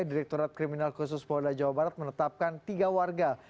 direkturat kriminal khusus polda jawa barat menetapkan tiga warga